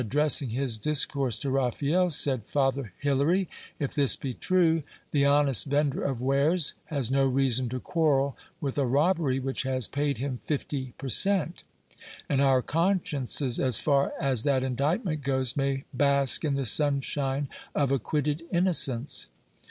ddressing his discourse to Raphael, said : Father Hilary, if this be true, the honest vender of wares has no reason to quarrel with a robber}' which has paid him fifty per cent. ; and our consciences, as far as that indictment goes, may bask in the sunshine of acquitted innocence.